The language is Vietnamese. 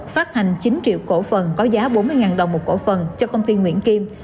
phát hành chín triệu cổ phần có giá bốn mươi đồng một cổ phần cho công ty nguyễn kim